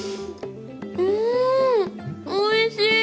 うんおいしい！